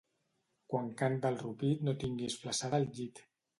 Quan canta el rupit no tinguis flassada al llit.